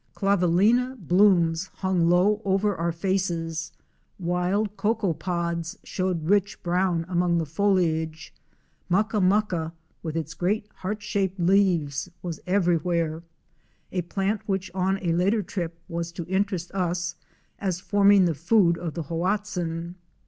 Clavillina blooms hung low over our faces; wild cocoa pods showed rich brown among the foliage. Mucka mucka with its great heart shaped leaves was everywhere, a plant which on a later trip was to interest us as forming the food of the Hoatzin.